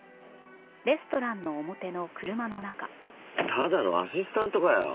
ただのアシスタントかよ。